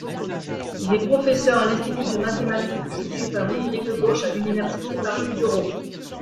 Il est professeur à l’Institut de mathématiques Jussieu-Paris Rive Gauche à l’université Paris Diderot.